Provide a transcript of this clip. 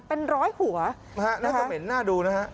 เป็นร้อยหัวนะฮะน่าจะเหม็นน่าดูนะฮะ